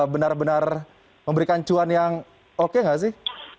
benar benar memberikan cuan yang oke nggak sih